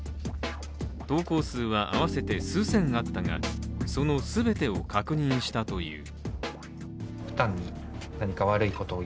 投稿数は合わせて数千あったがその全てを確認したという。